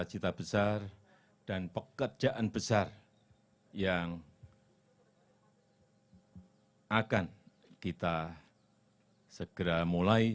cita besar dan pekerjaan besar yang akan kita segera mulai